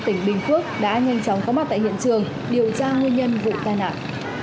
tỉnh bình phước đã nhanh chóng có mặt tại hiện trường điều tra nguyên nhân vụ tai nạn